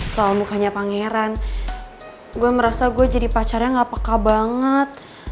soal mukanya pangeran gue merasa gue jadi pacarnya gak peka banget